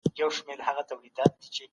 د قسم تفصيلي بحث پخپل ځای کي بيان سوی دی.